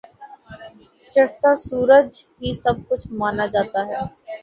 چڑھتا سورج ہی سب کچھ مانا جاتا ہے۔